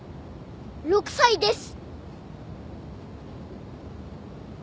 ６歳です。